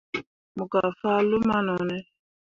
Mo gah fah luma no ne.